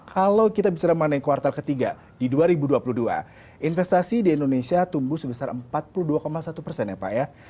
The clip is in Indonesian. kalau kita bicara mengenai kuartal ketiga di dua ribu dua puluh dua investasi di indonesia tumbuh sebesar empat puluh dua satu persen ya pak ya